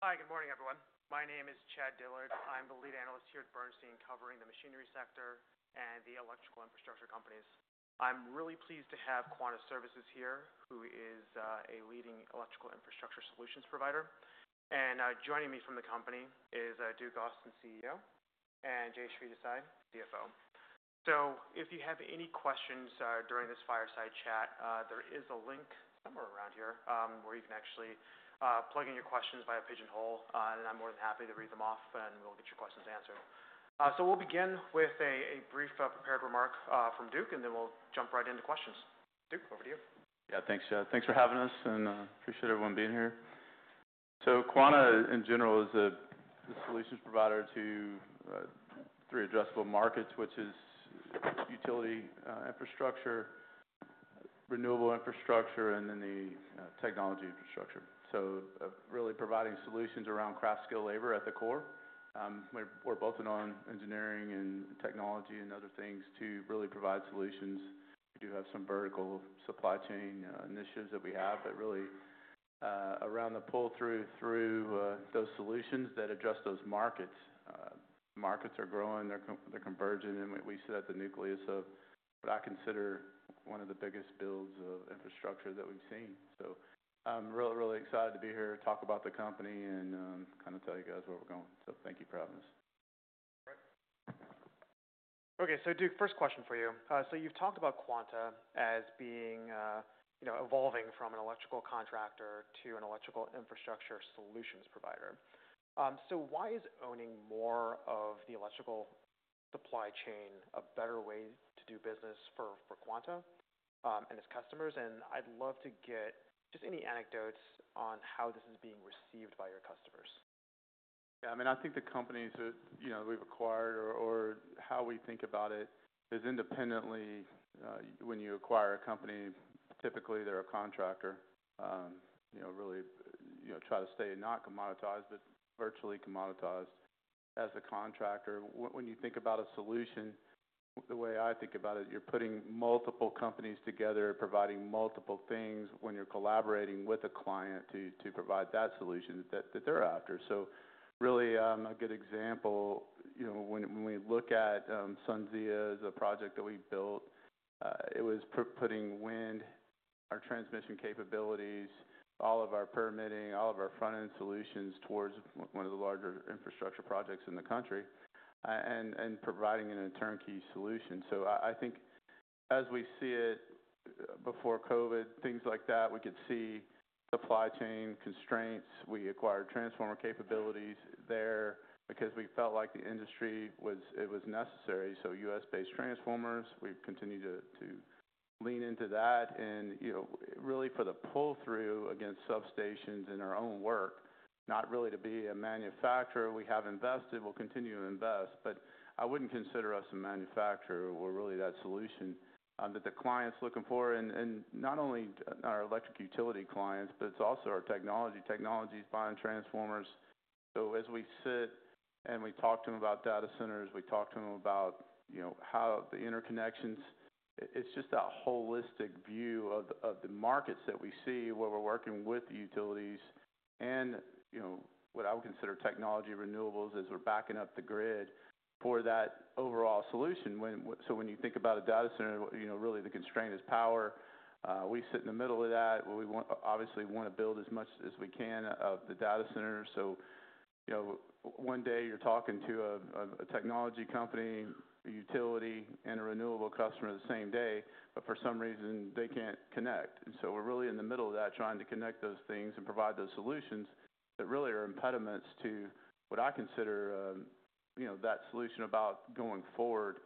Hi, good morning, everyone. My name is Chad Dillard. I'm the lead analyst here at Bernstein covering the machinery sector and the electrical infrastructure companies. I'm really pleased to have Quanta Services here, who is a leading electrical infrastructure solutions provider. Joining me from the company is Duke Austin, CEO, and Jayshree Desai, CFO. If you have any questions during this fireside chat, there is a link somewhere around here where you can actually plug in your questions via Pigeonhole, and I'm more than happy to read them off, and we'll get your questions answered. We will begin with a brief prepared remark from Duke, and then we'll jump right into questions. Duke, over to you. Yeah, thanks. Thanks for having us, and I appreciate everyone being here. Quanta, in general, is a solutions provider to three addressable markets, which are utility infrastructure, renewable infrastructure, and then the technology infrastructure. Really providing solutions around craft skilled labor at the core. We've bolted on engineering and technology and other things to really provide solutions. We do have some vertical supply chain initiatives that we have, but really around the pull-through through those solutions that address those markets. Markets are growing, they're converging, and we see that the nucleus of what I consider one of the biggest builds of infrastructure that we've seen. I'm really, really excited to be here to talk about the company and kind of tell you guys where we're going. Thank you for having us. Great. Okay, Duke, first question for you. You have talked about Quanta as being evolving from an electrical contractor to an electrical infrastructure solutions provider. Why is owning more of the electrical supply chain a better way to do business for Quanta and its customers? I would love to get just any anecdotes on how this is being received by your customers. Yeah, I mean, I think the companies that we've acquired or how we think about it is independently. When you acquire a company, typically they're a contractor, really try to stay not commoditized, but virtually commoditized as a contractor. When you think about a solution, the way I think about it, you're putting multiple companies together, providing multiple things when you're collaborating with a client to provide that solution that they're after. Really a good example, when we look at SunZia as a project that we built, it was putting wind, our transmission capabilities, all of our permitting, all of our front-end solutions towards one of the larger infrastructure projects in the country, and providing an interim key solution. I think as we see it before COVID, things like that, we could see supply chain constraints. We acquired transformer capabilities there because we felt like the industry was necessary. So U.S.-based transformers, we've continued to lean into that. And really for the pull-through against substations in our own work, not really to be a manufacturer, we have invested, we'll continue to invest, but I wouldn't consider us a manufacturer. We're really that solution that the client's looking for, and not only our electric utility clients, but it's also our technology. Technology's buying transformers. As we sit and we talk to them about data centers, we talk to them about how the interconnections, it's just a holistic view of the markets that we see where we're working with the utilities and what I would consider technology renewables as we're backing up the grid for that overall solution. When you think about a data center, really the constraint is power. We sit in the middle of that. We obviously want to build as much as we can of the data centers. One day you're talking to a technology company, utility, and a renewable customer the same day, but for some reason they can't connect. We are really in the middle of that trying to connect those things and provide those solutions that really are impediments to what I consider that solution about going forward.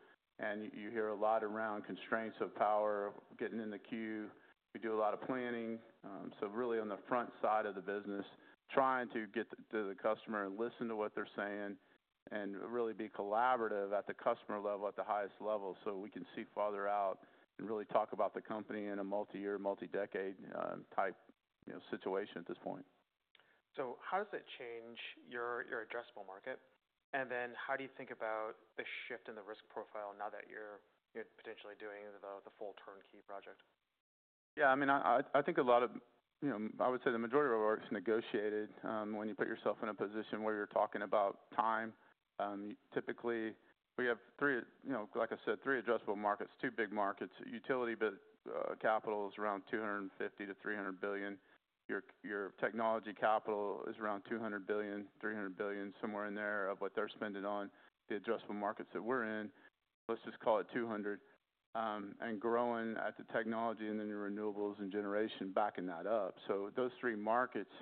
You hear a lot around constraints of power, getting in the queue. We do a lot of planning. Really on the front side of the business, trying to get to the customer, listen to what they're saying, and really be collaborative at the customer level, at the highest level, so we can see farther out and really talk about the company in a multi-year, multi-decade type situation at this point. How does that change your addressable market? And then how do you think about the shift in the risk profile now that you're potentially doing the full turnkey project? Yeah, I mean, I think a lot of, I would say the majority of our work's negotiated. When you put yourself in a position where you're talking about time, typically we have, like I said, three addressable markets, two big markets. Utility capital is around $250 billion-$300 billion. Your technology capital is around $200 billion-$300 billion, somewhere in there of what they're spending on the addressable markets that we're in. Let's just call it $200 billion. And growing at the technology and then your renewables and generation backing that up. So those three markets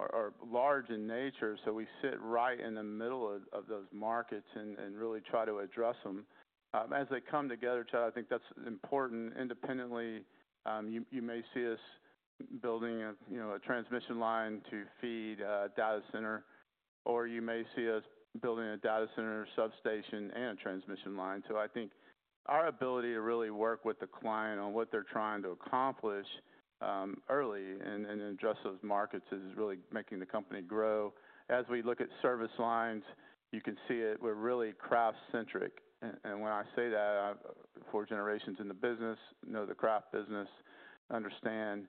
are large in nature, so we sit right in the middle of those markets and really try to address them. As they come together, Chad, I think that's important. Independently, you may see us building a transmission line to feed a data center, or you may see us building a data center substation and a transmission line. I think our ability to really work with the client on what they're trying to accomplish early and address those markets is really making the company grow. As we look at service lines, you can see it. We're really craft-centric. When I say that, four generations in the business, know the craft business, understand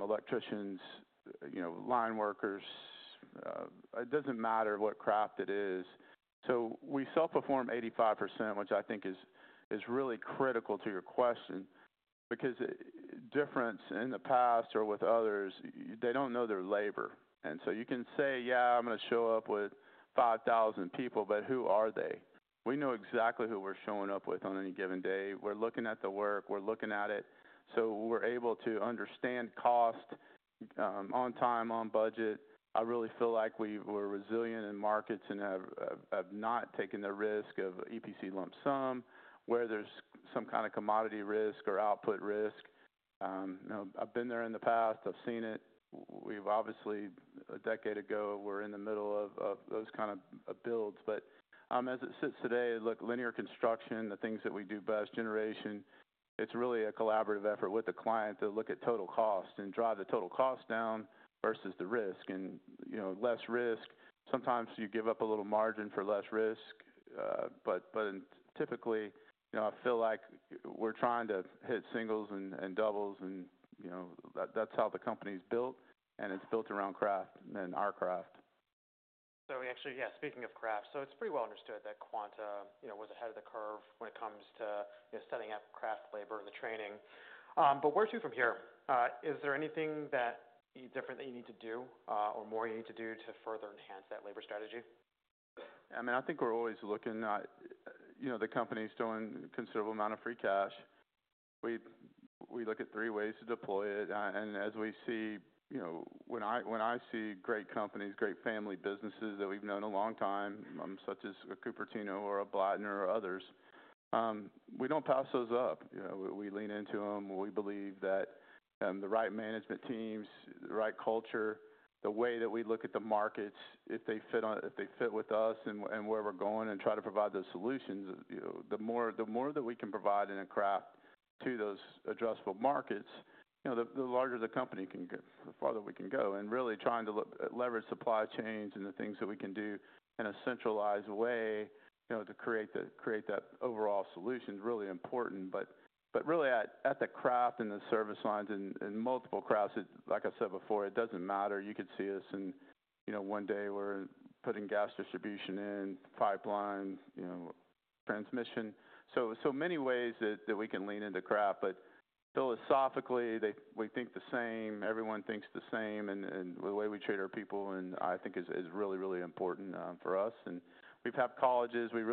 electricians, line workers. It doesn't matter what craft it is. We self-perform 85%, which I think is really critical to your question because difference in the past or with others, they don't know their labor. You can say, "Yeah, I'm going to show up with 5,000 people," but who are they? We know exactly who we're showing up with on any given day. We're looking at the work. We're looking at it. So we're able to understand cost on time, on budget. I really feel like we were resilient in markets and have not taken the risk of EPC lump sum, where there's some kind of commodity risk or output risk. I've been there in the past. I've seen it. Obviously, a decade ago, we're in the middle of those kind of builds. As it sits today, look, linear construction, the things that we do best, generation, it's really a collaborative effort with the client to look at total cost and drive the total cost down versus the risk and less risk. Sometimes you give up a little margin for less risk, but typically, I feel like we're trying to hit singles and doubles, and that's how the company's built, and it's built around craft and our craft. Actually, yeah, speaking of craft, it's pretty well understood that Quanta was ahead of the curve when it comes to setting up craft labor and the training. Where to from here? Is there anything different that you need to do or more you need to do to further enhance that labor strategy? I mean, I think we're always looking. The company's throwing a considerable amount of free cash. We look at three ways to deploy it. As we see, when I see great companies, great family businesses that we've known a long time, such as a Cupertino or a Blattner or others, we don't pass those up. We lean into them. We believe that the right management teams, the right culture, the way that we look at the markets, if they fit with us and where we're going and try to provide those solutions, the more that we can provide in a craft to those addressable markets, the larger the company can, the farther we can go. Really trying to leverage supply chains and the things that we can do in a centralized way to create that overall solution is really important. Really, at the craft and the service lines and multiple crafts, like I said before, it does not matter. You could see us in one day we are putting gas distribution in, pipeline, transmission. So many ways that we can lean into craft, but philosophically, we think the same. Everyone thinks the same. The way we treat our people, I think, is really, really important for us. We have had colleges. We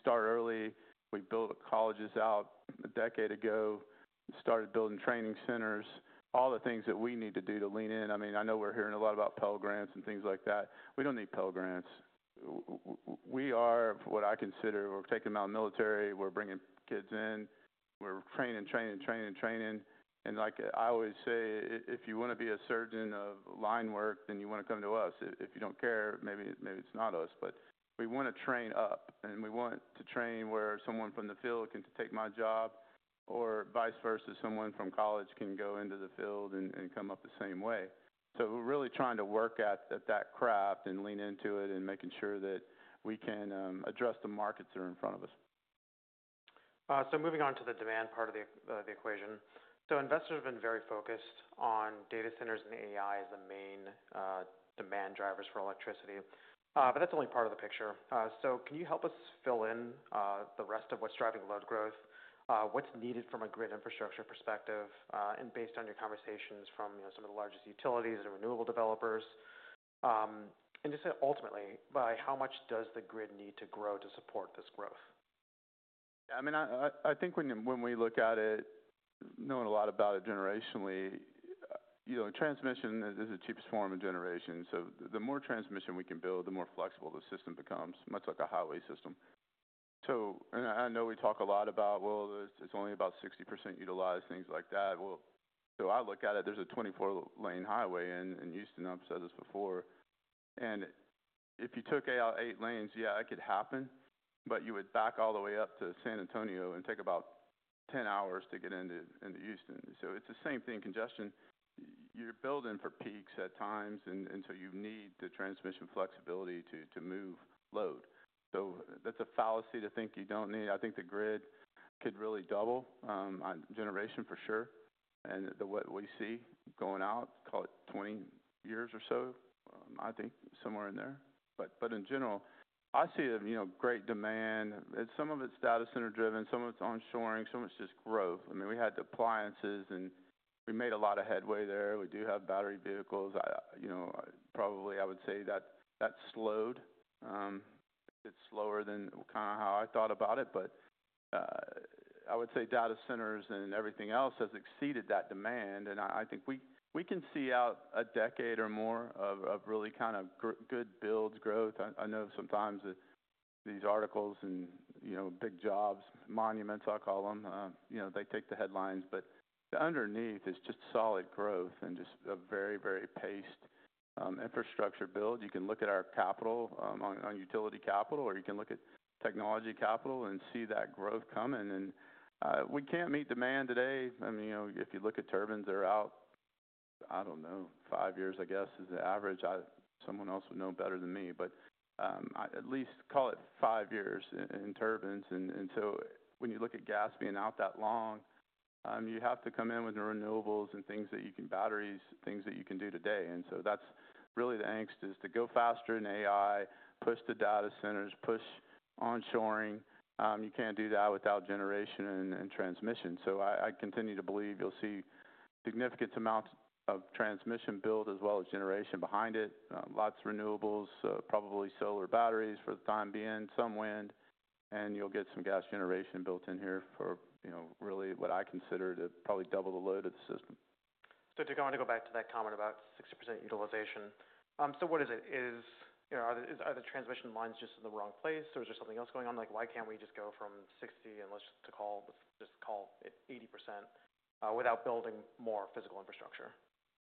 start early. We built colleges out a decade ago, started building training centers, all the things that we need to do to lean in. I mean, I know we are hearing a lot about Pell Grants and things like that. We do not need Pell Grants. We are, what I consider, we are taking them out of the military. We are bringing kids in. We are training, training, training, training. Like I always say, if you want to be a surgeon of line work, then you want to come to us. If you do not care, maybe it is not us, but we want to train up, and we want to train where someone from the field can take my job or vice versa, someone from college can go into the field and come up the same way. We are really trying to work at that craft and lean into it and making sure that we can address the markets that are in front of us. Moving on to the demand part of the equation. Investors have been very focused on data centers and AI as the main demand drivers for electricity. That is only part of the picture. Can you help us fill in the rest of what is driving load growth, what is needed from a grid infrastructure perspective, and based on your conversations from some of the largest utilities and renewable developers, and just ultimately, by how much does the grid need to grow to support this growth? Yeah, I mean, I think when we look at it, knowing a lot about it generationally, transmission is the cheapest form of generation. The more transmission we can build, the more flexible the system becomes, much like a highway system. I know we talk a lot about, well, it's only about 60% utilized, things like that. I look at it, there's a 24-lane highway in Houston, I've said this before. If you took eight lanes, yeah, it could happen, but you would back all the way up to San Antonio and take about 10 hours to get into Houston. It's the same thing, congestion. You're building for peaks at times, and you need the transmission flexibility to move load. That's a fallacy to think you don't need. I think the grid could really double generation for sure. What we see going out, call it 20 years or so, I think somewhere in there. In general, I see a great demand. Some of it is data center driven, some of it is onshoring, some of it is just growth. I mean, we had the appliances, and we made a lot of headway there. We do have battery vehicles. Probably I would say that slowed. It is slower than kind of how I thought about it, but I would say data centers and everything else has exceeded that demand. I think we can see out a decade or more of really kind of good builds, growth. I know sometimes these articles and big jobs, monuments, I will call them, they take the headlines, but underneath is just solid growth and just a very, very paced infrastructure build. You can look at our capital on utility capital, or you can look at technology capital and see that growth coming. We can't meet demand today. I mean, if you look at turbines, they're out, I don't know, five years, I guess, is the average. Someone else would know better than me, but at least call it five years in turbines. When you look at gas being out that long, you have to come in with the renewables and things that you can, batteries, things that you can do today. That is really the angst, is to go faster in AI, push the data centers, push onshoring. You can't do that without generation and transmission. I continue to believe you'll see significant amounts of transmission built as well as generation behind it, lots of renewables, probably solar batteries for the time being, some wind, and you'll get some gas generation built in here for really what I consider to probably double the load of the system. I want to go back to that comment about 60% utilization. What is it? Are the transmission lines just in the wrong place, or is there something else going on? Why cannot we just go from 60% and let's just call it 80% without building more physical infrastructure?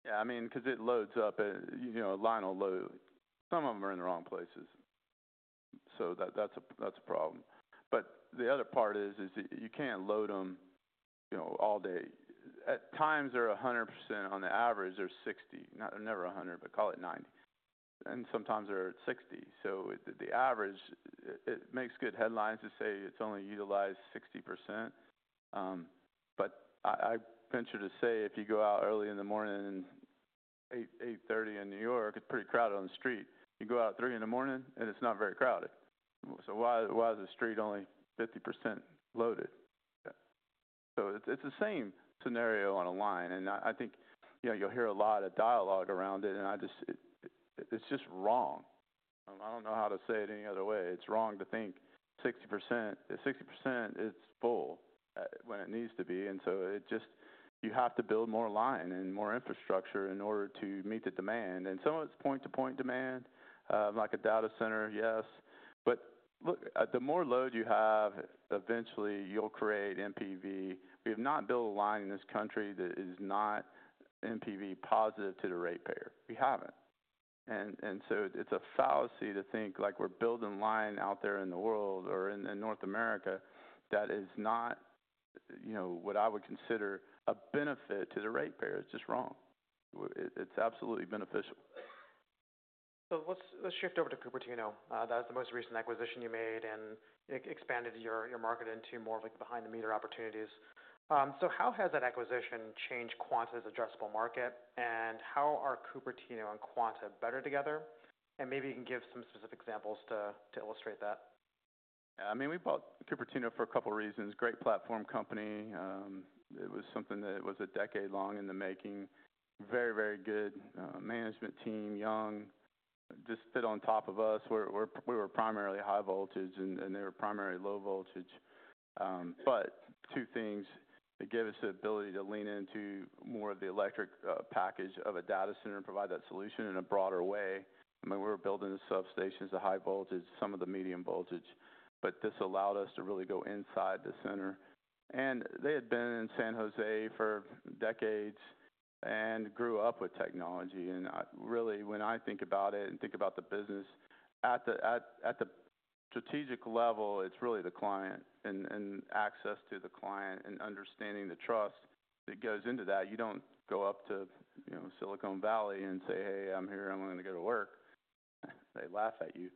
Yeah, I mean, because it loads up, a line will load. Some of them are in the wrong places. That is a problem. The other part is you cannot load them all day. At times, they are 100%. On the average, they are 60%. Never 100%, but call it 90%. Sometimes they are at 60%. The average, it makes good headlines to say it is only utilized 60%. I venture to say if you go out early in the morning at 8:30 A.M. in New York, it is pretty crowded on the street. You go out at 3:00 A.M., and it is not very crowded. Why is the street only 50% loaded? It is the same scenario on a line. I think you will hear a lot of dialogue around it, and it is just wrong. I do not know how to say it any other way. It is wrong to think 60%. 60%, it's full when it needs to be. You have to build more line and more infrastructure in order to meet the demand. Some of it's point-to-point demand, like a data center, yes. Look, the more load you have, eventually you'll create MPV. We have not built a line in this country that is not MPV positive to the ratepayer. We haven't. It's a fallacy to think we're building line out there in the world or in North America that is not what I would consider a benefit to the ratepayer. It's just wrong. It's absolutely beneficial. Let's shift over to Cupertino. That was the most recent acquisition you made and expanded your market into more of behind-the-meter opportunities. How has that acquisition changed Quanta's addressable market, and how are Cupertino and Quanta better together? Maybe you can give some specific examples to illustrate that. I mean, we bought Cupertino for a couple of reasons. Great platform company. It was something that was a decade long in the making. Very, very good management team, young, just fit on top of us. We were primarily high voltage, and they were primarily low voltage. Two things. It gave us the ability to lean into more of the electric package of a data center and provide that solution in a broader way. I mean, we were building the substations, the high voltage, some of the medium voltage, but this allowed us to really go inside the center. They had been in San Jose for decades and grew up with technology. Really, when I think about it and think about the business, at the strategic level, it is really the client and access to the client and understanding the trust that goes into that. You do not go up to Silicon Valley and say, "Hey, I am here. I am going to go to work." They laugh at you.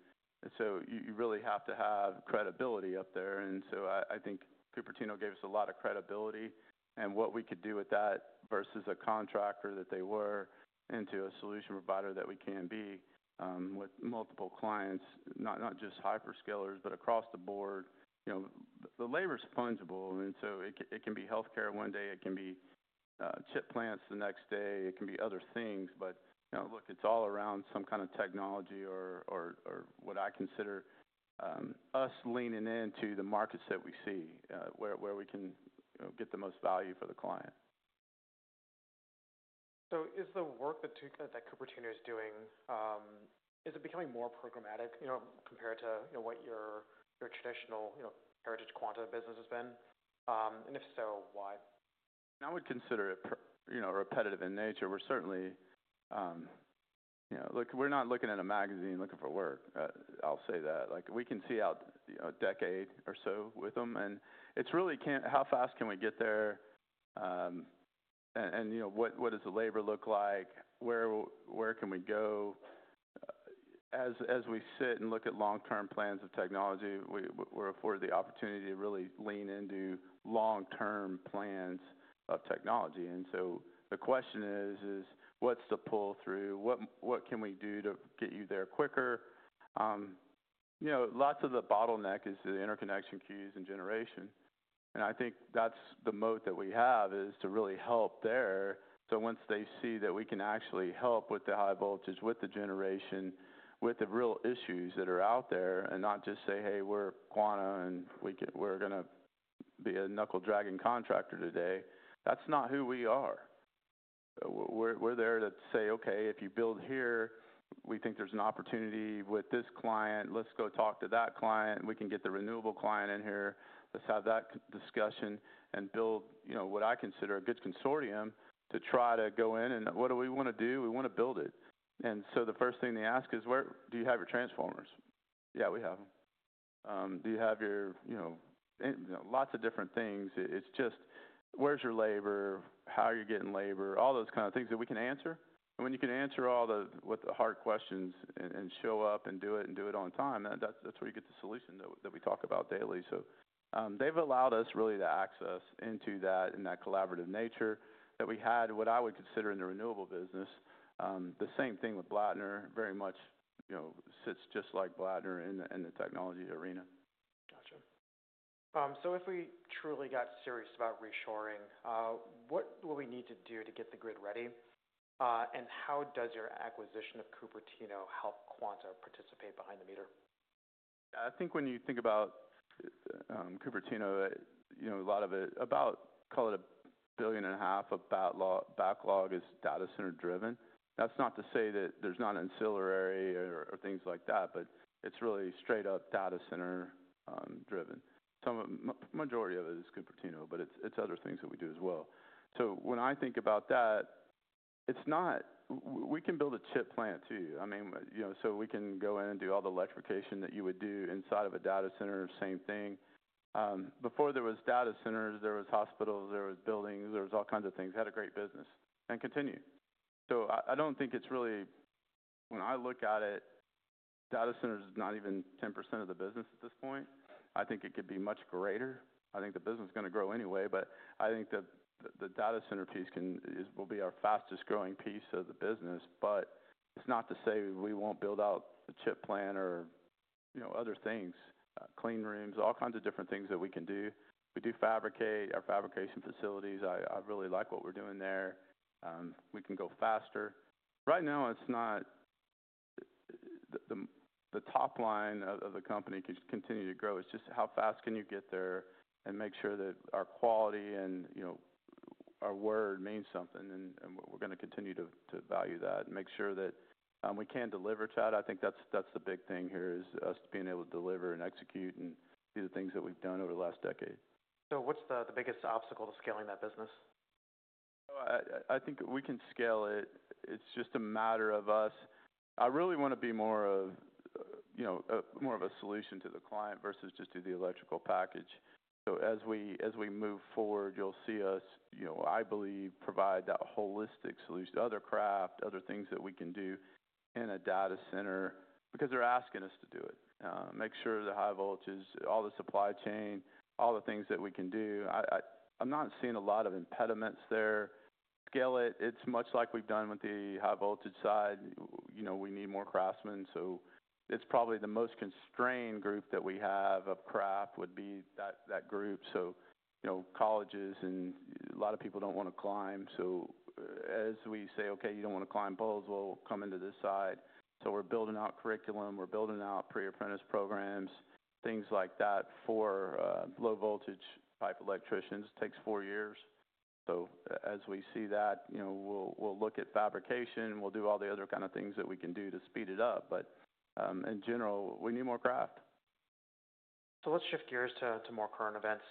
You really have to have credibility up there. I think Cupertino gave us a lot of credibility and what we could do with that versus a contractor that they were into, a solution provider that we can be with multiple clients, not just hyperscalers, but across the board. The labor is fungible. It can be healthcare one day. It can be chip plants the next day. It can be other things. Look, it is all around some kind of technology or what I consider us leaning into the markets that we see where we can get the most value for the client. Is the work that Cupertino is doing, is it becoming more programmatic compared to what your traditional heritage Quanta business has been? If so, why? I would consider it repetitive in nature. We're certainly, look, we're not looking at a magazine looking for work. I'll say that. We can see out a decade or so with them. It is really how fast can we get there? What does the labor look like? Where can we go? As we sit and look at long-term plans of technology, we're afforded the opportunity to really lean into long-term plans of technology. The question is, what's the pull-through? What can we do to get you there quicker? Lots of the bottleneck is the interconnection queues and generation. I think that's the moat that we have is to really help there. Once they see that we can actually help with the high voltage, with the generation, with the real issues that are out there, and not just say, "Hey, we're Quanta and we're going to be a knuckle-dragging contractor today." That's not who we are. We're there to say, "Okay, if you build here, we think there's an opportunity with this client. Let's go talk to that client. We can get the renewable client in here. Let's have that discussion and build what I consider a good consortium to try to go in and what do we want to do? We want to build it." The first thing they ask is, "Where do you have your transformers?" "Yeah, we have them." "Do you have your lots of different things?" It's just, "Where's your labor? How are you getting labor?" All those kinds of things that we can answer. When you can answer all the hard questions and show up and do it and do it on time, that's where you get the solution that we talk about daily. They've allowed us really to access into that and that collaborative nature that we had, what I would consider in the renewable business. The same thing with Blattner, very much sits just like Blattner in the technology arena. Gotcha. If we truly got serious about reshoring, what will we need to do to get the grid ready? How does your acquisition of Cupertino help Quanta participate behind the meter? I think when you think about Cupertino, a lot of it, call it $1.5 billion backlog, is data center driven. That's not to say that there's not ancillary or things like that, but it's really straight-up data center driven. The majority of it is Cupertino, but it's other things that we do as well. When I think about that, we can build a chip plant too. I mean, we can go in and do all the electrification that you would do inside of a data center, same thing. Before there were data centers, there were hospitals, there were buildings, there were all kinds of things. Had a great business and continued. I don't think it's really, when I look at it, data centers are not even 10% of the business at this point. I think it could be much greater. I think the business is going to grow anyway, but I think the data center piece will be our fastest growing piece of the business. It's not to say we won't build out the chip plant or other things, clean rooms, all kinds of different things that we can do. We do fabricate our fabrication facilities. I really like what we're doing there. We can go faster. Right now, it's not the top line of the company can continue to grow. It's just how fast can you get there and make sure that our quality and our word mean something, and we're going to continue to value that and make sure that we can deliver to that. I think that's the big thing here is us being able to deliver and execute and do the things that we've done over the last decade. What's the biggest obstacle to scaling that business? I think we can scale it. It's just a matter of us. I really want to be more of a solution to the client versus just do the electrical package. As we move forward, you'll see us, I believe, provide that holistic solution, other craft, other things that we can do in a data center because they're asking us to do it. Make sure the high voltages, all the supply chain, all the things that we can do. I'm not seeing a lot of impediments there. Scale it. It's much like we've done with the high voltage side. We need more craftsmen. It's probably the most constrained group that we have of craft would be that group. Colleges and a lot of people don't want to climb. As we say, "Okay, you do not want to climb poles, well, come into this side." We are building out curriculum. We are building out pre-apprentice programs, things like that for low voltage type electricians. It takes four years. As we see that, we will look at fabrication. We will do all the other kind of things that we can do to speed it up. In general, we need more craft. Let's shift gears to more current events.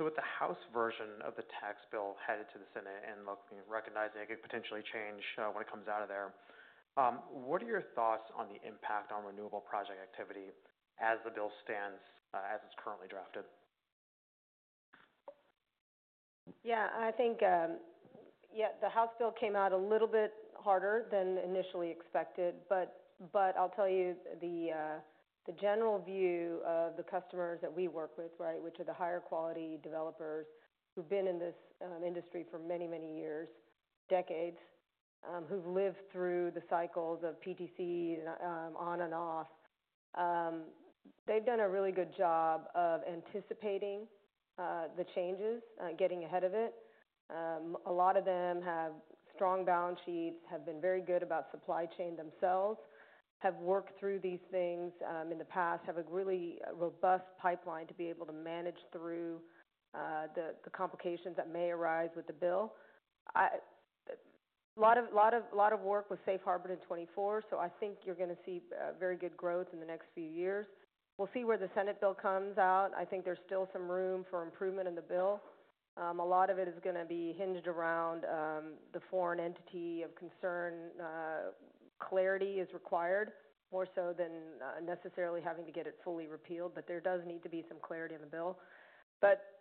With the House version of the tax bill headed to the Senate and recognizing it could potentially change when it comes out of there, what are your thoughts on the impact on renewable project activity as the bill stands as it's currently drafted? Yeah. I think, yeah, the House bill came out a little bit harder than initially expected. But I'll tell you the general view of the customers that we work with, right, which are the higher quality developers who've been in this industry for many, many years, decades, who've lived through the cycles of PTC on and off. They've done a really good job of anticipating the changes, getting ahead of it. A lot of them have strong balance sheets, have been very good about supply chain themselves, have worked through these things in the past, have a really robust pipeline to be able to manage through the complications that may arise with the bill. A lot of work with Safe Harbor in 2024. So I think you're going to see very good growth in the next few years. We'll see where the Senate bill comes out. I think there's still some room for improvement in the bill. A lot of it is going to be hinged around the foreign entity of concern. Clarity is required more so than necessarily having to get it fully repealed, but there does need to be some clarity in the bill.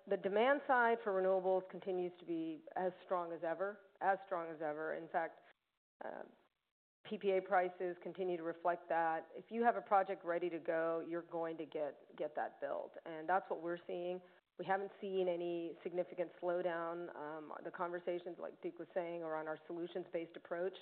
The demand side for renewables continues to be as strong as ever, as strong as ever. In fact, PPA prices continue to reflect that. If you have a project ready to go, you're going to get that built. That is what we're seeing. We haven't seen any significant slowdown. The conversations, like Duke was saying, around our solutions-based approach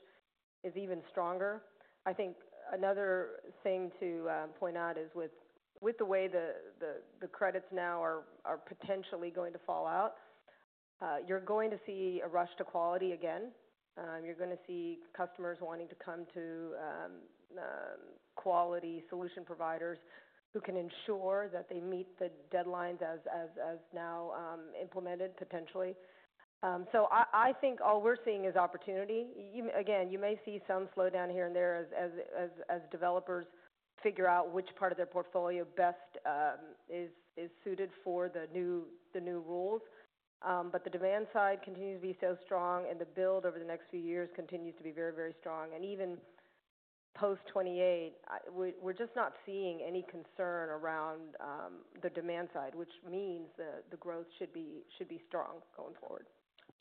is even stronger. I think another thing to point out is with the way the credits now are potentially going to fall out, you're going to see a rush to quality again. You're going to see customers wanting to come to quality solution providers who can ensure that they meet the deadlines as now implemented, potentially. I think all we're seeing is opportunity. You may see some slowdown here and there as developers figure out which part of their portfolio best is suited for the new rules. The demand side continues to be so strong, and the build over the next few years continues to be very, very strong. Even post 2028, we're just not seeing any concern around the demand side, which means that the growth should be strong going forward.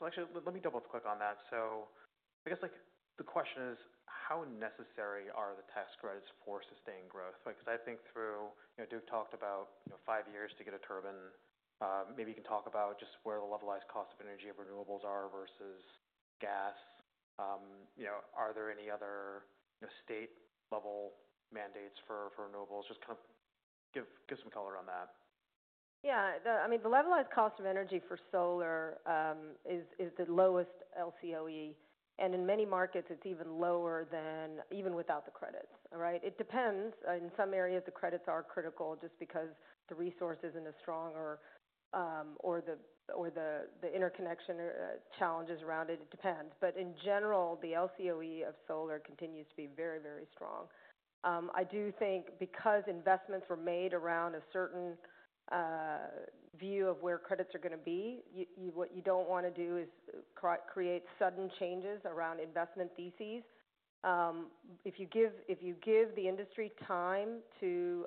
Actually, let me double-click on that. I guess the question is, how necessary are the tax credits for sustained growth? Because I think through Duke talked about five years to get a turbine. Maybe you can talk about just where the levelized cost of energy of renewables are versus gas. Are there any other state-level mandates for renewables? Just kind of give some color on that. Yeah. I mean, the levelized cost of energy for solar is the lowest LCOE. In many markets, it is even lower than even without the credits, right? It depends. In some areas, the credits are critical just because the resource is not as strong or the interconnection challenges around it. It depends. In general, the LCOE of solar continues to be very, very strong. I do think because investments were made around a certain view of where credits are going to be, what you do not want to do is create sudden changes around investment theses. If you give the industry time to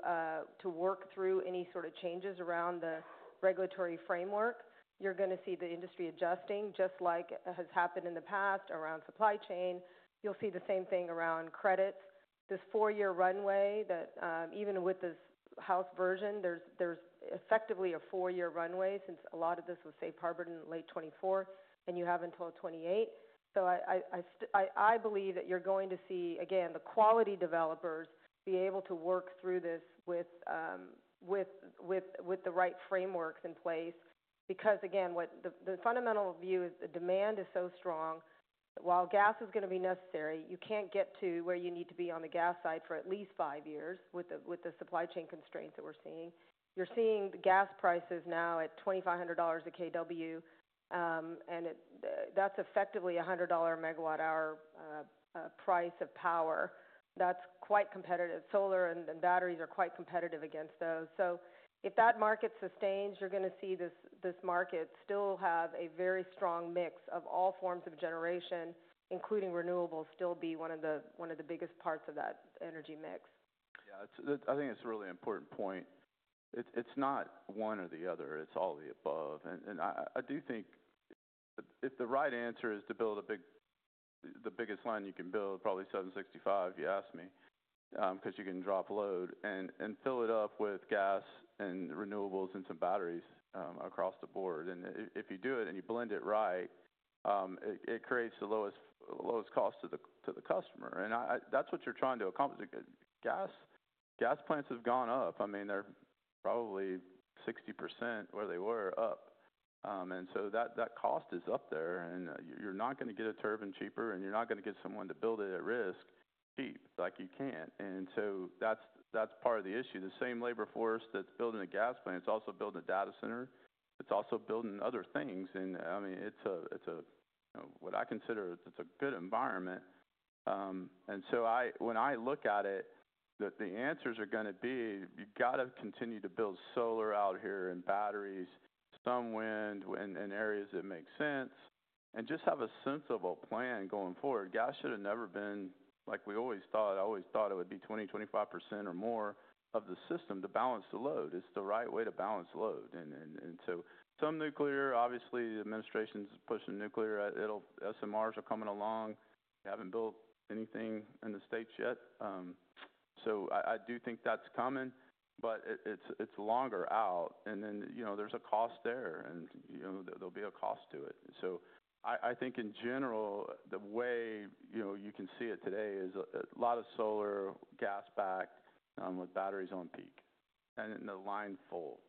work through any sort of changes around the regulatory framework, you are going to see the industry adjusting just like has happened in the past around supply chain. You will see the same thing around credits. This four-year runway, even with this House version, there's effectively a four-year runway since a lot of this was Safe Harbor in late 2024 and you have until 2028. I believe that you're going to see, again, the quality developers be able to work through this with the right frameworks in place. Because again, the fundamental view is the demand is so strong. While gas is going to be necessary, you can't get to where you need to be on the gas side for at least five years with the supply chain constraints that we're seeing. You're seeing gas prices now at $2,500 a kW, and that's effectively a $100 MWh price of power. That's quite competitive. Solar and batteries are quite competitive against those. If that market sustains, you're going to see this market still have a very strong mix of all forms of generation, including renewables, still be one of the biggest parts of that energy mix. Yeah. I think it's a really important point. It's not one or the other. It's all the above. I do think if the right answer is to build the biggest line you can build, probably 765, you asked me, because you can drop load and fill it up with gas and renewables and some batteries across the board. If you do it and you blend it right, it creates the lowest cost to the customer. That's what you're trying to accomplish. Gas plants have gone up. I mean, they're probably 60% where they were up. That cost is up there. You're not going to get a turbine cheaper, and you're not going to get someone to build it at risk cheap. Like you can't. That's part of the issue. The same labor force that's building a gas plant is also building a data center. It's also building other things. I mean, it's what I consider a good environment. When I look at it, the answers are going to be you've got to continue to build solar out here and batteries, some wind in areas that make sense, and just have a sensible plan going forward. Gas should have never been, like we always thought. I always thought it would be 20-25% or more of the system to balance the load. It's the right way to balance load. Some nuclear, obviously, the administration's pushing nuclear. SMRs are coming along. They haven't built anything in the States yet. I do think that's coming, but it's longer out. There is a cost there, and there will be a cost to it. I think in general, the way you can see it today is a lot of solar, gas backed with batteries on peak and in the line full.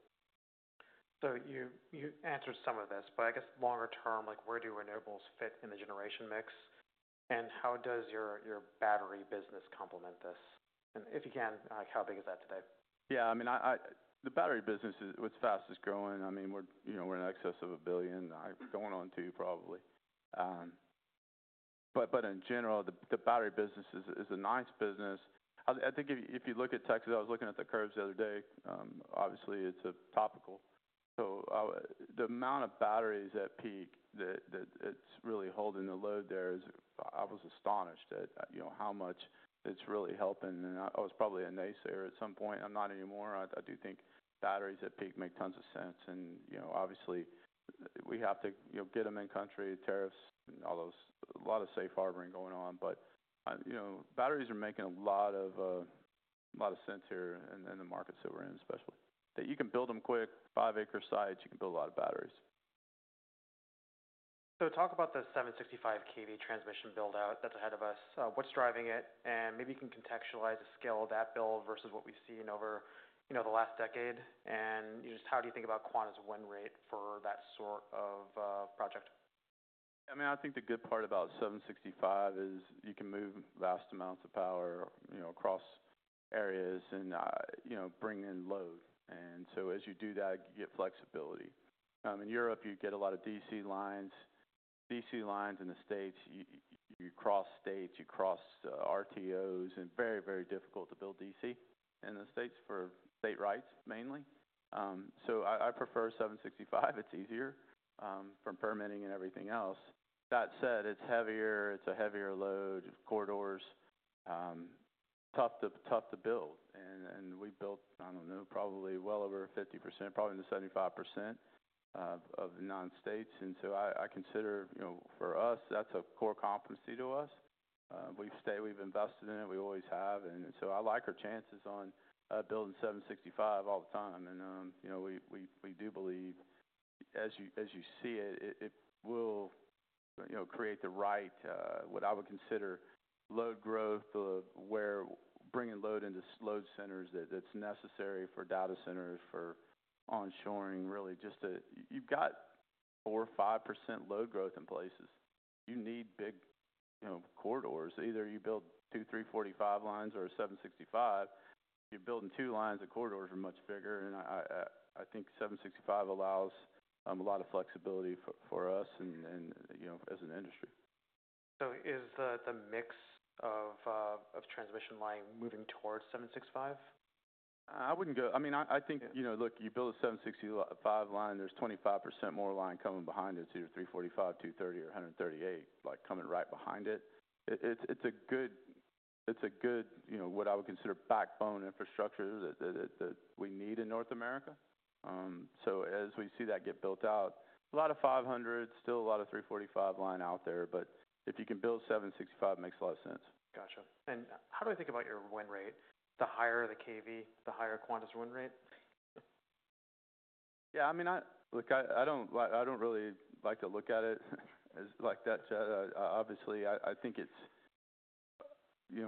You answered some of this, but I guess longer term, where do renewables fit in the generation mix? How does your battery business complement this? If you can, how big is that today? Yeah. I mean, the battery business, it's fastest growing. I mean, we're in excess of $1 billion, going on $2 billion probably. In general, the battery business is a nice business. I think if you look at Texas, I was looking at the curves the other day. Obviously, it's topical. The amount of batteries at peak that it's really holding the load there, I was astonished at how much it's really helping. I was probably a naysayer at some point. I'm not anymore. I do think batteries at peak make tons of sense. Obviously, we have to get them in country, tariffs, and all those, a lot of safe harboring going on. Batteries are making a lot of sense here in the markets that we're in, especially that you can build them quick, five-acre sites, you can build a lot of batteries. Talk about the 765 kV transmission build-out that is ahead of us. What is driving it? Maybe you can contextualize the scale of that build versus what we have seen over the last decade. How do you think about Quanta's win rate for that sort of project? I mean, I think the good part about 765 is you can move vast amounts of power across areas and bring in load. As you do that, you get flexibility. In Europe, you get a lot of DC lines. DC lines in the States, you cross states, you cross RTOs, and very, very difficult to build DC in the States for state rights mainly. I prefer 765. It's easier for permitting and everything else. That said, it's heavier. It's a heavier load, corridors, tough to build. We built, I don't know, probably well over 50%, probably in the 75% of non-states. I consider for us, that's a core competency to us. We've invested in it. We always have. I like our chances on building 765 all the time. We do believe, as you see it, it will create the right, what I would consider load growth, where bringing load into load centers that's necessary for data centers, for onshoring, really just to you've got 4%-5% load growth in places. You need big corridors. Either you build two, three, 45 lines or a 765. You're building two lines. The corridors are much bigger. I think 765 allows a lot of flexibility for us as an industry. Is the mix of transmission line moving towards 765? I wouldn't go. I mean, I think, look, you build a 765 line, there's 25% more line coming behind it, either 345, 230, or 138, like coming right behind it. It's a good, what I would consider backbone infrastructure that we need in North America. As we see that get built out, a lot of 500, still a lot of 345 line out there. If you can build 765, it makes a lot of sense. Gotcha. And how do I think about your win rate? The higher the kV, the higher Quanta's win rate? Yeah. I mean, look, I do not really like to look at it like that. Obviously, I think it is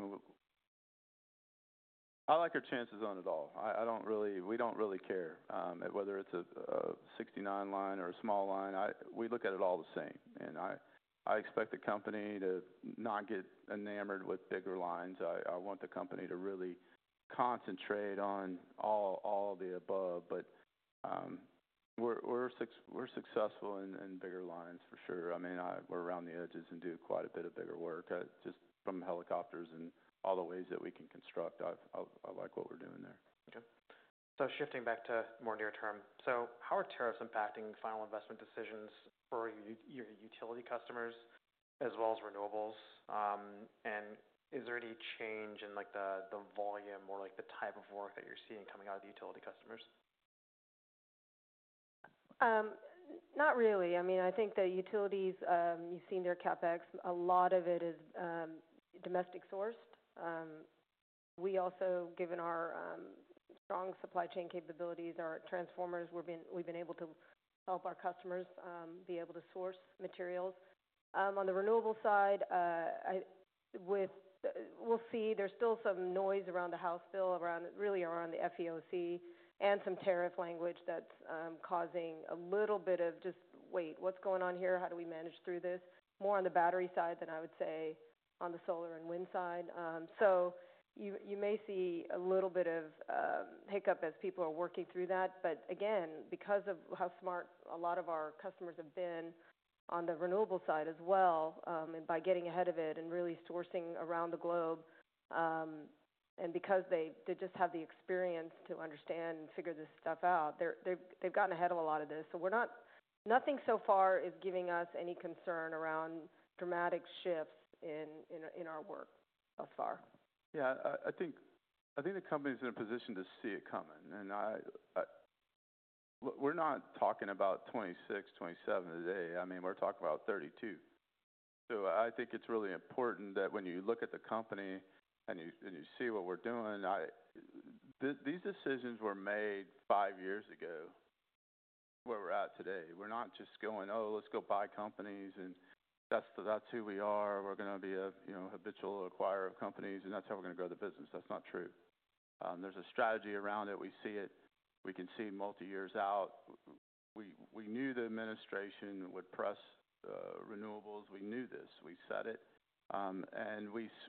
I like our chances on it all. We do not really care whether it is a 69 line or a small line. We look at it all the same. I expect the company to not get enamored with bigger lines. I want the company to really concentrate on all the above. We are successful in bigger lines, for sure. I mean, we are around the edges and do quite a bit of bigger work just from helicopters and all the ways that we can construct. I like what we are doing there. Okay. Shifting back to more near term. How are tariffs impacting final investment decisions for your utility customers as well as renewables? Is there any change in the volume or the type of work that you're seeing coming out of the utility customers? Not really. I mean, I think the utilities, you've seen their CapEx. A lot of it is domestic sourced. We also, given our strong supply chain capabilities, our transformers, we've been able to help our customers be able to source materials. On the renewable side, we'll see there's still some noise around the House bill, really around the FEOC and some tariff language that's causing a little bit of just, "Wait, what's going on here? How do we manage through this?" More on the battery side than I would say on the solar and wind side. You may see a little bit of hiccup as people are working through that. Again, because of how smart a lot of our customers have been on the renewable side as well, and by getting ahead of it and really sourcing around the globe, and because they just have the experience to understand and figure this stuff out, they've gotten ahead of a lot of this. Nothing so far is giving us any concern around dramatic shifts in our work thus far. Yeah. I think the company's in a position to see it coming. We're not talking about 2026, 2027 today. I mean, we're talking about 2032. I think it's really important that when you look at the company and you see what we're doing, these decisions were made five years ago where we're at today. We're not just going, "Oh, let's go buy companies and that's who we are. We're going to be a habitual acquirer of companies and that's how we're going to grow the business." That's not true. There's a strategy around it. We see it. We can see multi-years out. We knew the administration would press renewables. We knew this. We said it.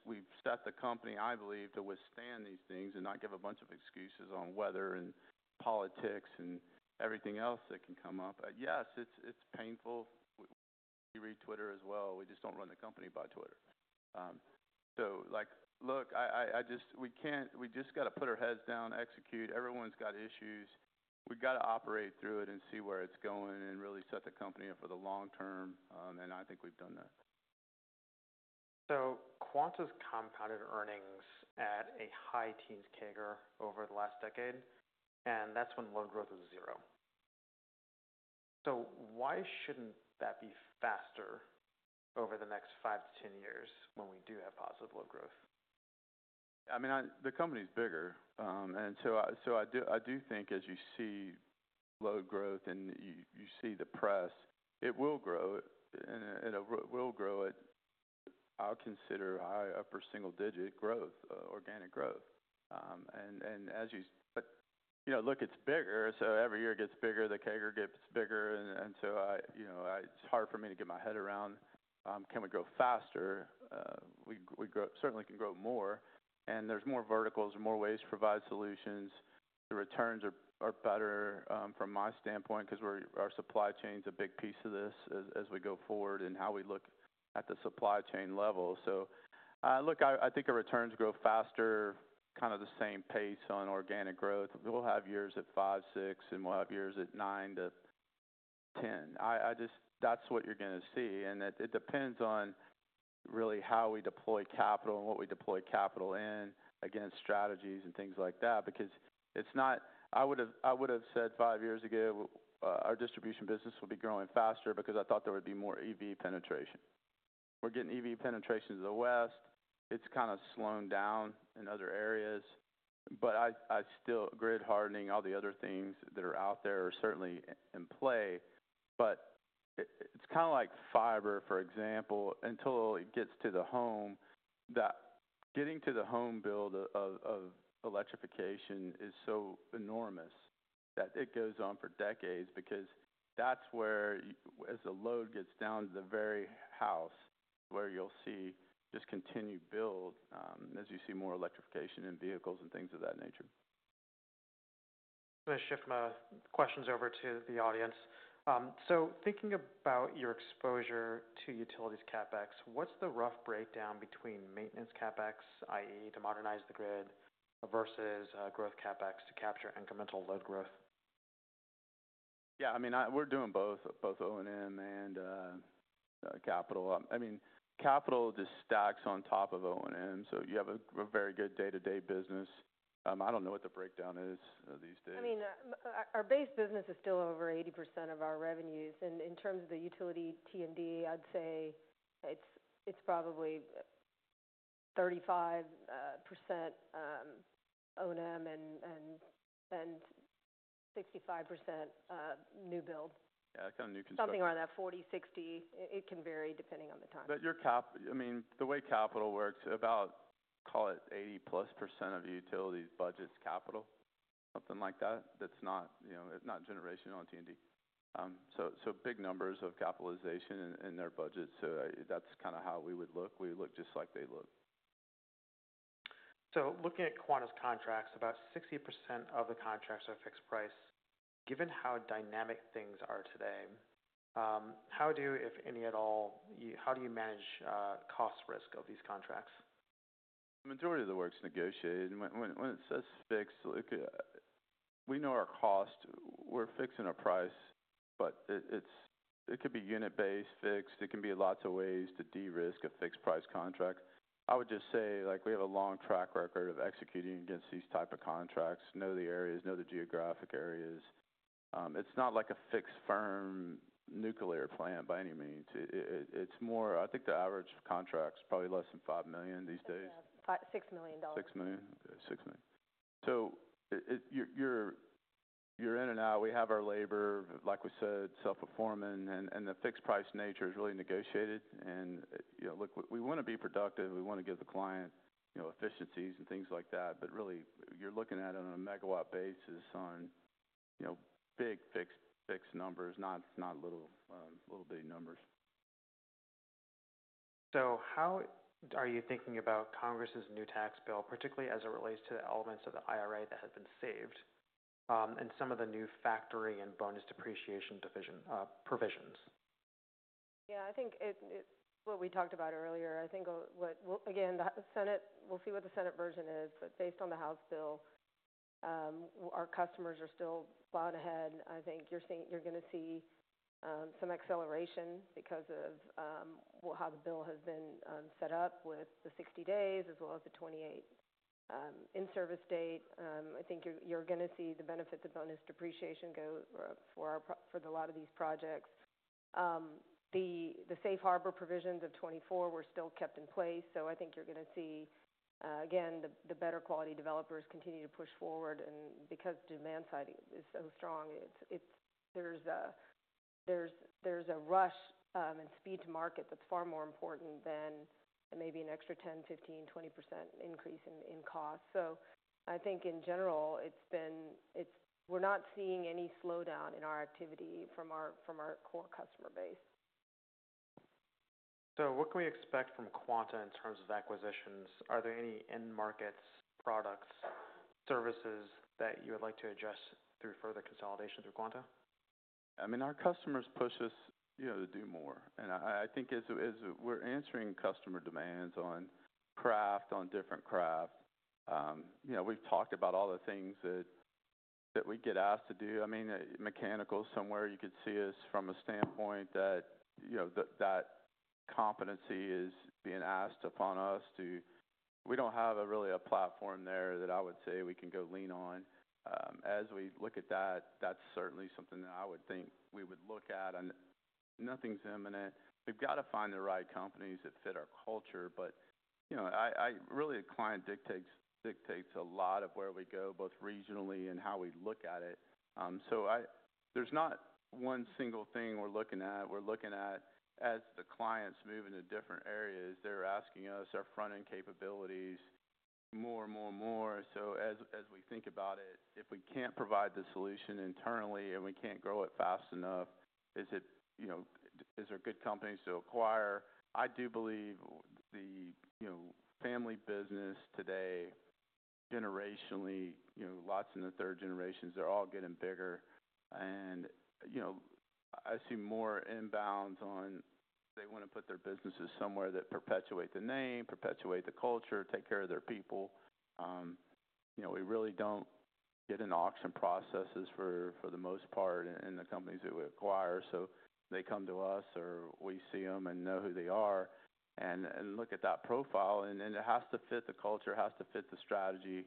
We've set the company, I believe, to withstand these things and not give a bunch of excuses on weather and politics and everything else that can come up. Yes, it's painful. We read Twitter as well. We just do not run the company by Twitter. Look, we just have to put our heads down, execute. Everyone has issues. We have to operate through it and see where it is going and really set the company up for the long term. I think we have done that. Quanta's compounded earnings at a high teens CAGR over the last decade, and that's when load growth was zero. Why shouldn't that be faster over the next 5 to 10 years when we do have positive load growth? I mean, the company's bigger. I do think as you see load growth and you see the press, it will grow, and it will grow at, I'll consider, high, upper single-digit organic growth. As you look, it's bigger. Every year it gets bigger, the kegger gets bigger. It's hard for me to get my head around. Can we grow faster? We certainly can grow more. There's more verticals and more ways to provide solutions. The returns are better from my standpoint because our supply chain's a big piece of this as we go forward and how we look at the supply chain level. Look, I think our returns grow faster, kind of the same pace on organic growth. We'll have years at 5%, 6%, and we'll have years at 9%-10%. That's what you're going to see. It depends on really how we deploy capital and what we deploy capital in, again, strategies and things like that. I would have said five years ago, our distribution business will be growing faster because I thought there would be more EV penetration. We're getting EV penetrations to the west. It's kind of slowing down in other areas. I still think grid hardening and all the other things that are out there are certainly in play. It's kind of like fiber, for example, until it gets to the home. Getting to the home build of electrification is so enormous that it goes on for decades because that's where, as the load gets down to the very house, you'll see just continued build as you see more electrification in vehicles and things of that nature. I'm going to shift my questions over to the audience. Thinking about your exposure to utilities CapEx, what's the rough breakdown between maintenance CapEx, i.e., to modernize the grid versus growth CapEx to capture incremental load growth? Yeah. I mean, we're doing both O&M and capital. I mean, capital just stacks on top of O&M. So you have a very good day-to-day business. I don't know what the breakdown is these days. I mean, our base business is still over 80% of our revenues. In terms of the utility T&D, I'd say it's probably 35% O&M and 65% new build. Yeah. That's kind of new construction. Something around that 40-60. It can vary depending on the time. I mean, the way capital works, about, call it 80+% of utilities' budget's capital, something like that. That's not generational T&D. So big numbers of capitalization in their budgets. So that's kind of how we would look. We look just like they look. Looking at Quanta's contracts, about 60% of the contracts are fixed price. Given how dynamic things are today, how do, if any at all, how do you manage cost risk of these contracts? The majority of the work's negotiated. When it says fixed, we know our cost. We're fixing a price, but it could be unit-based, fixed. It can be lots of ways to de-risk a fixed-price contract. I would just say we have a long track record of executing against these types of contracts, know the areas, know the geographic areas. It's not like a fixed firm nuclear plant by any means. It's more, I think the average contract's probably less than $5 million these days. $6 million. $6 million. Okay. $6 million. So you're in and out. We have our labor, like we said, self-performing. And the fixed-price nature is really negotiated. And look, we want to be productive. We want to give the client efficiencies and things like that. But really, you're looking at it on a megawatt basis on big fixed numbers, not little bitty numbers. How are you thinking about Congress's new tax bill, particularly as it relates to the elements of the IRA that have been saved and some of the new factoring and bonus depreciation provisions? Yeah. I think what we talked about earlier, I think, again, we'll see what the Senate version is. But based on the House bill, our customers are still plowing ahead. I think you're going to see some acceleration because of how the bill has been set up with the 60 days as well as the 2028 in-service date. I think you're going to see the benefits, the bonus depreciation go for a lot of these projects. The safe harbor provisions of 2024 were still kept in place. I think you're going to see, again, the better quality developers continue to push forward. And because demand side is so strong, there's a rush and speed to market that's far more important than maybe an extra 10%, 15%, 20% increase in cost. I think in general, we're not seeing any slowdown in our activity from our core customer base. What can we expect from Quanta in terms of acquisitions? Are there any end markets, products, services that you would like to adjust through further consolidation through Quanta? I mean, our customers push us to do more. I think as we're answering customer demands on craft, on different craft, we've talked about all the things that we get asked to do. I mean, mechanical somewhere, you could see us from a standpoint that that competency is being asked upon us too. We do not have really a platform there that I would say we can go lean on. As we look at that, that's certainly something that I would think we would look at. Nothing's imminent. We have to find the right companies that fit our culture. Really, the client dictates a lot of where we go, both regionally and how we look at it. There is not one single thing we're looking at. We're looking at, as the client's moving to different areas, they're asking us our front-end capabilities more, more, more. As we think about it, if we can't provide the solution internally and we can't grow it fast enough, is there good companies to acquire? I do believe the family business today, generationally, lots in the third generations, they're all getting bigger. I see more inbounds on. They want to put their businesses somewhere that perpetuate the name, perpetuate the culture, take care of their people. We really don't get into auction processes for the most part in the companies that we acquire. They come to us or we see them and know who they are and look at that profile. It has to fit the culture, has to fit the strategy.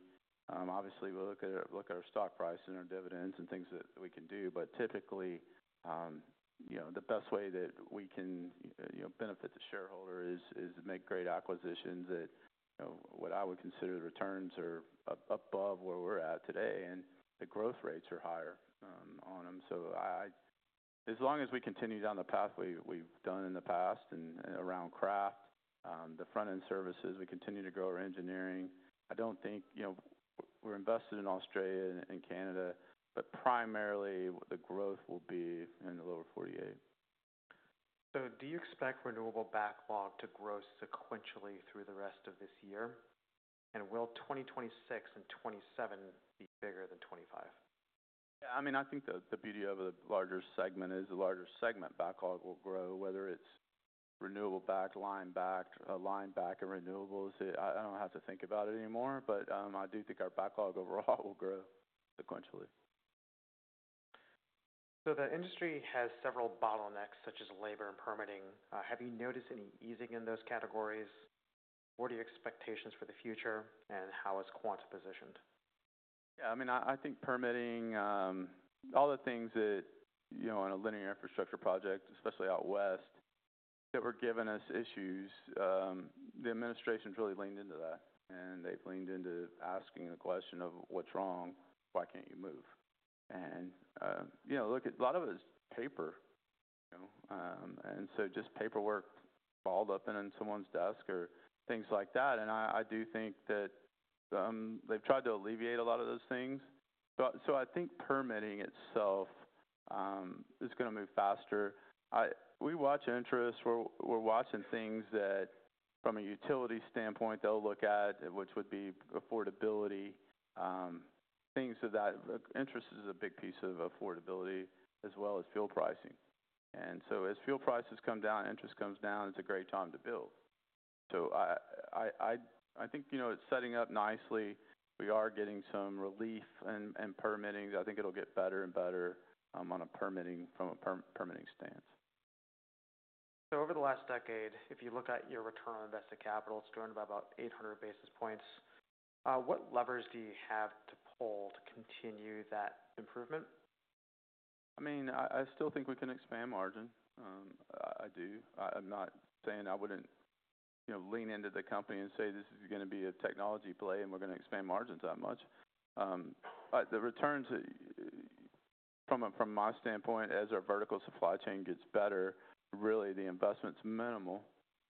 Obviously, we look at our stock price and our dividends and things that we can do. Typically, the best way that we can benefit the shareholder is to make great acquisitions that what I would consider returns are above where we're at today. The growth rates are higher on them. As long as we continue down the path we've done in the past and around craft, the front-end services, we continue to grow our engineering. I don't think we're invested in Australia and Canada, but primarily, the growth will be in the lower 48. Do you expect renewable backlog to grow sequentially through the rest of this year? Will 2026 and 2027 be bigger than 2025? Yeah. I mean, I think the beauty of the larger segment is the larger segment backlog will grow, whether it's renewable backlog, line backlog, line backlog, and renewables. I don't have to think about it anymore. I do think our backlog overall will grow sequentially. The industry has several bottlenecks such as labor and permitting. Have you noticed any easing in those categories? What are your expectations for the future and how is Quanta positioned? Yeah. I mean, I think permitting, all the things that on a linear infrastructure project, especially out west, that were giving us issues, the administration's really leaned into that. They've leaned into asking the question of, "What's wrong? Why can't you move?" Look, a lot of it's paper. Just paperwork balled up in someone's desk or things like that. I do think that they've tried to alleviate a lot of those things. I think permitting itself is going to move faster. We watch interest. We're watching things that from a utility standpoint, they'll look at, which would be affordability, things of that. Interest is a big piece of affordability as well as fuel pricing. As fuel prices come down, interest comes down, it's a great time to build. I think it's setting up nicely. We are getting some relief in permitting. I think it'll get better and better from a permitting stance. Over the last decade, if you look at your return on invested capital, it has grown by about 800 basis points. What levers do you have to pull to continue that improvement? I mean, I still think we can expand margin. I do. I'm not saying I wouldn't lean into the company and say, "This is going to be a technology play, and we're going to expand margins that much." The returns from my standpoint, as our vertical supply chain gets better, really, the investment's minimal,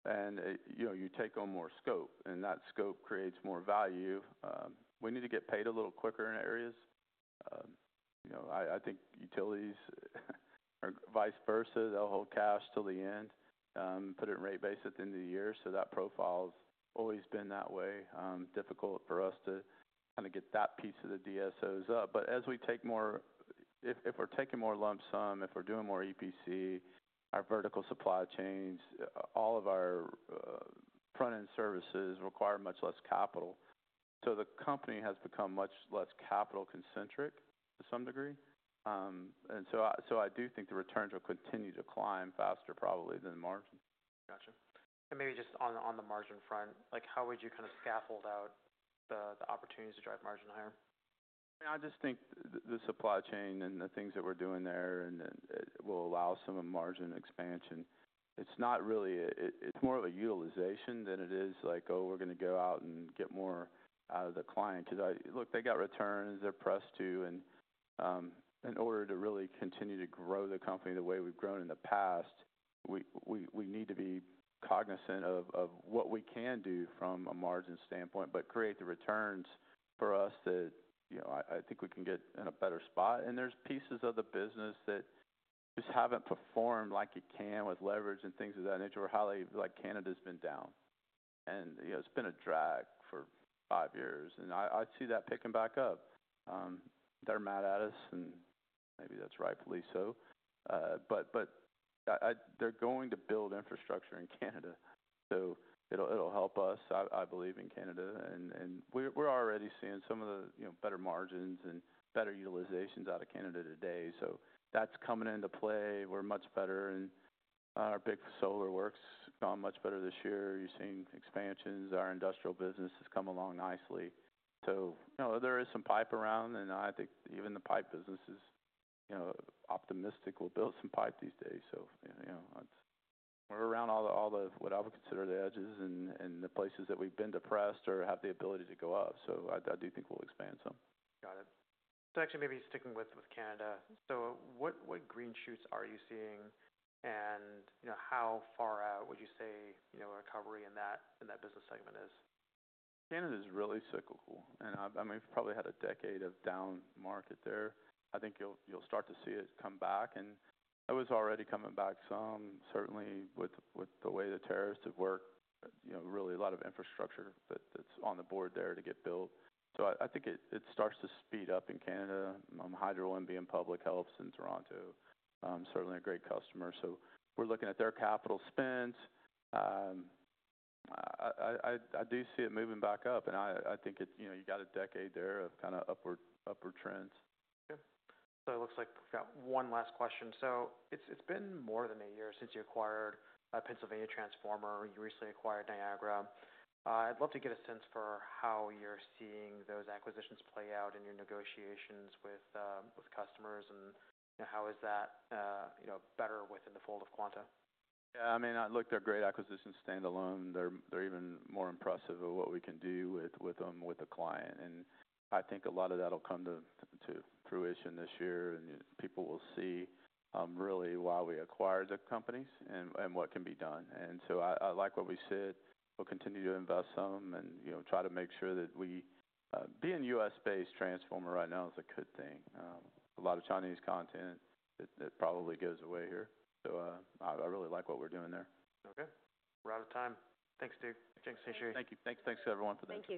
and you take on more scope, and that scope creates more value. We need to get paid a little quicker in areas. I think utilities are vice versa. They'll hold cash till the end, put it in rate base at the end of the year. That profile's always been that way. Difficult for us to kind of get that piece of the DSOs up. As we take more, if we're taking more lump sum, if we're doing more EPC, our vertical supply chains, all of our front-end services require much less capital. The company has become much less capital concentric to some degree. I do think the returns will continue to climb faster probably than margin. Gotcha. Maybe just on the margin front, how would you kind of scaffold out the opportunities to drive margin higher? I just think the supply chain and the things that we're doing there will allow some margin expansion. It's more of a utilization than it is like, "Oh, we're going to go out and get more out of the client." Because look, they got returns. They're pressed to. In order to really continue to grow the company the way we've grown in the past, we need to be cognizant of what we can do from a margin standpoint, but create the returns for us that I think we can get in a better spot. There are pieces of the business that just haven't performed like it can with leverage and things of that nature. Canada's been down. It's been a drag for five years. I see that picking back up. They're mad at us, and maybe that's rightfully so. They're going to build infrastructure in Canada. It'll help us, I believe, in Canada. We're already seeing some of the better margins and better utilizations out of Canada today. That's coming into play. We're much better. Our big solar work's gone much better this year. You're seeing expansions. Our industrial business has come along nicely. There is some pipe around. I think even the pipe business is optimistic. We'll build some pipe these days. We're around all the, what I would consider, the edges and the places that we've been depressed or have the ability to go up. I do think we'll expand some. Got it. Actually, maybe sticking with Canada. What green shoots are you seeing? How far out would you say recovery in that business segment is? Canada's really cyclical. I mean, we've probably had a decade of down market there. I think you'll start to see it come back. It was already coming back some, certainly, with the way the tariffs have worked, really a lot of infrastructure that's on the board there to get built. I think it starts to speed up in Canada. Hydro and BM Public Health in Toronto, certainly a great customer. We're looking at their capital spend. I do see it moving back up. I think you got a decade there of kind of upward trends. Okay. It looks like we've got one last question. It's been more than a year since you acquired Pennsylvania Transformer. You recently acquired Niagara. I'd love to get a sense for how you're seeing those acquisitions play out in your negotiations with customers and how is that better within the fold of Quanta? Yeah. I mean, look, they're great acquisitions standalone. They're even more impressive of what we can do with them with the client. I think a lot of that will come to fruition this year. People will see really why we acquired the companies and what can be done. I like what we said. We'll continue to invest some and try to make sure that we being U.S.-based Transformer right now is a good thing. A lot of Chinese content that probably goes away here. I really like what we're doing there. Okay. We're out of time. Thanks, Duke. Thank you. Thanks to everyone for the.